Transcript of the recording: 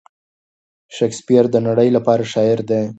شکسپیر د نړۍ لپاره شاعر دی.